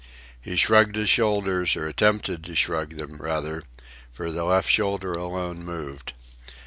He shrugged his shoulders, or attempted to shrug them, rather, for the left shoulder alone moved.